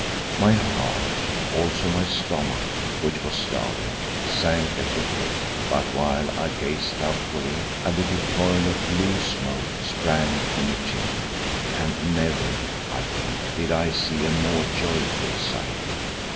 My heart, also my stomach, which was starving, sank at the thought, but while I gazed doubtfully, a little coil of blue smoke sprang from a chimney, and never, I think, did I see a more joyful sight.